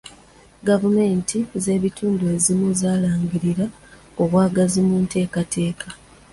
Gavumenti z'ebitundu ezimu zaalangirira obwagazi mu nteekateeka.